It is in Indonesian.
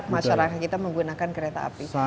masyarakat kita menggunakan kereta api